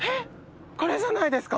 これじゃないですか？